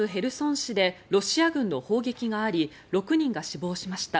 市でロシア軍の砲撃があり６人が死亡しました。